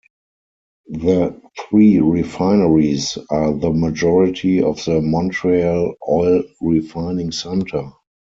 The three refineries are the majority of the Montreal Oil Refining Center.